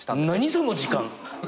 何その時間。